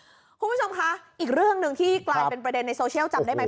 คุณผู้ชมคะอีกเรื่องหนึ่งที่กลายเป็นประเด็นในโซเชียลจำได้ไหม